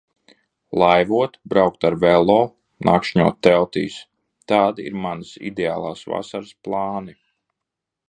Laivot, braukt ar velo, nakšņot teltīs - tādi ir manas ideālās vasaras plāni.